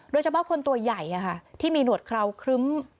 โดยเฉพาะคนตัวใหญ่ที่มีหนวดเคราวครึ้ม